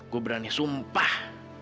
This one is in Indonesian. gue berani sumpah